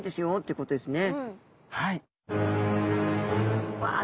はい。